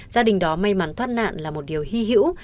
gia đình đó may mắn thoát nạn là một điều hy hữu